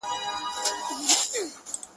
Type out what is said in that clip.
چي موږ ټوله په یوه ژبه ګړېږو،